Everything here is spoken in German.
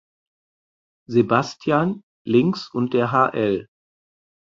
Sebastian (links) und der hl.